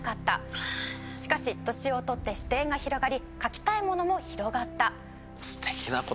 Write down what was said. しかし年を取って視点が広がり描きたいものも広がった。